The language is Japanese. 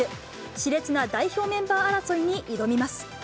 しれつな代表メンバー争いに挑みます。